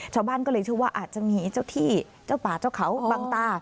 ชาวบ้านก็เลยเชื่อว่าอาจจะมีเจ้าที่เจ้าป่าเจ้าเขาบังตา